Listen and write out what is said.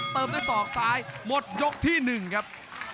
เติมด้วยสอกสายหมดยกที่หนึ่งครับ